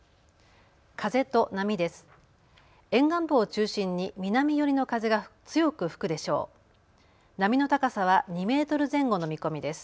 風と波です。